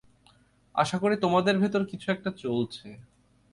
আশা করি তোমাদের ভেতর কিছু একটা চলছে।